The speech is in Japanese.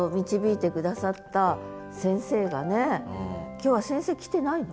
今日は先生来てないの？